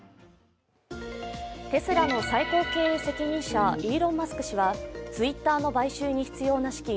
テスラの最高経営責任者、イーロン・マスク氏はツイッターの買収に必要な資金